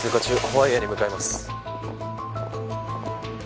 ホワイエに向かいます。